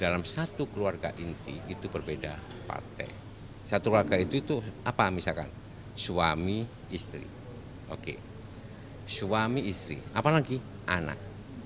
dalam satu keluarga inti itu berbeda partai satu keluarga itu itu apa misalkan suami istri oke suami istri apalagi anak